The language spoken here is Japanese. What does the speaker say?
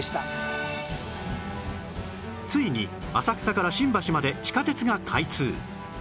ついに浅草から新橋まで地下鉄が開通